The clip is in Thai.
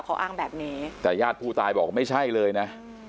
เขาอ้างแบบนี้แต่ญาติผู้ตายบอกไม่ใช่เลยนะ